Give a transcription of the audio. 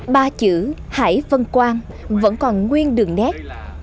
ba chữ hải vân quan vẫn còn nguyên đường nét